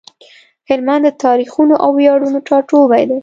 هلمند د تاريخونو او وياړونو ټاټوبی دی۔